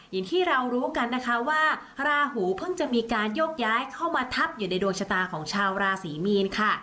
อย่างที่เรารู้กันนะคะว่าราหูเพิ่งจะมีการโยกย้ายเข้ามาทับอยู่ในดวงชะตาของชาวราศรีมีนค่ะ